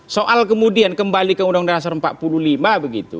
soal kemudian kembali ke ud empat puluh lima begitu